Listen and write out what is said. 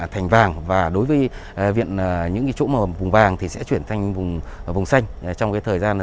thành vàng và đối với những chỗ mà vùng vàng thì sẽ chuyển thành vùng xanh trong cái thời gian sớm nhất